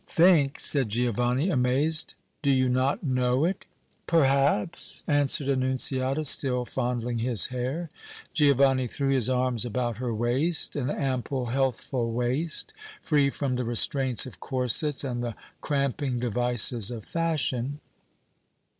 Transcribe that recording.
"Think!" said Giovanni, amazed. "Do you not know it?" "Perhaps!" answered Annunziata, still fondling his hair. Giovanni threw his arms about her waist, an ample, healthful waist, free from the restraints of corsets and the cramping devices of fashion.